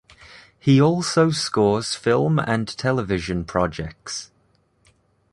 He also scores film and television projects.